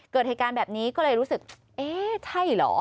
เกิดเหตุการณ์แบบนี้ก็เลยรู้สึกเอ๊ะใช่เหรอ